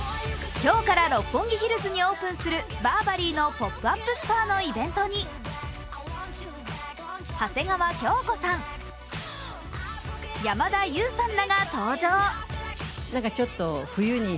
今日から六本木ヒルズにオープンするバーバリーのポップアップストアのイベントに長谷川京子さん、山田優さんらが登場。